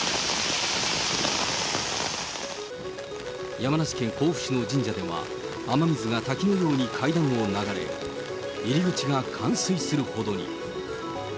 山梨県甲府市の神社では、雨水が滝のように階段を流れ、入り口が冠水するほどに。